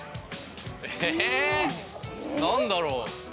え何だろう？